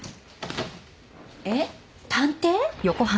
えっ探偵？